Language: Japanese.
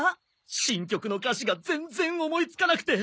新曲の歌詞が全然思いつかなくて。